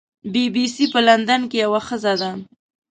بی بي سي په لندن کې یوه ښځه ده.